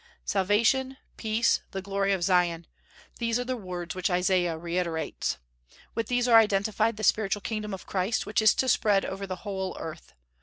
Salvation, peace, the glory of Zion! these are the words which Isaiah reiterates. With these are identified the spiritual kingdom of Christ, which is to spread over the whole earth.